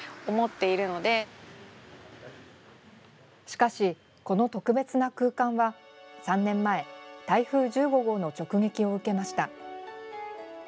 しかし、この特別な空間は３年前台風１５号の直撃を受けました。